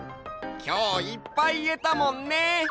きょういっぱいいえたもんね。